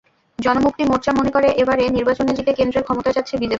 জনমুক্তি মোর্চা মনে করে, এবারে নির্বাচনে জিতে কেন্দ্রের ক্ষমতায় যাচ্ছে বিজেপি।